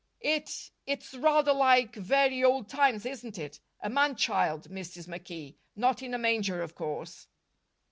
It it's rather like very old times, isn't it? A man child, Mrs. McKee, not in a manger, of course."